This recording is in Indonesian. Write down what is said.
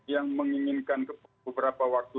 yang menginginkan beberapa waktu